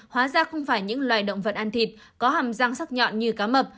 hóa ra không phải những loài động vật ăn thịt có hàm giang sắc nhọn như cá mập